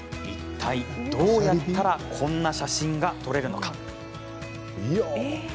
いったい、どうやったらこんな写真が撮れるのか。